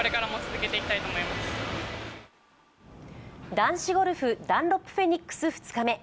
男子ゴルフダンロップフェニックス２日目。